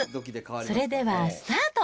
それではスタート。